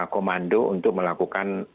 komando untuk melakukan